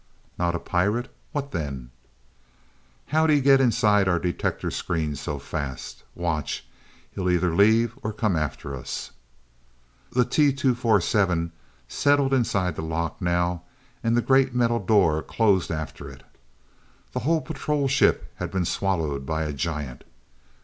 _" "Not a pirate what then?" "How'd he get inside our detector screens so fast? Watch he'll either leave, or come after us " The T 247 had settled inside the lock now, and the great metal door closed after it. The whole patrol ship had been swallowed by a giant.